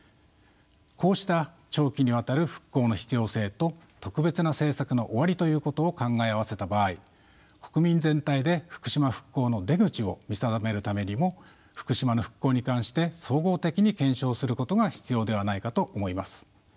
こうした長期にわたる復興の必要性と特別な政策の終わりということを考え合わせた場合国民全体で福島復興の出口を見定めるためにも福島の復興に関して総合的に検証することが必要ではないかと思います。